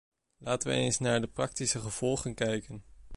Laten we eens naar de praktische gevolgen kijken.